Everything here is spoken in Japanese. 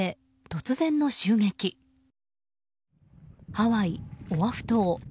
ハワイ・オアフ島。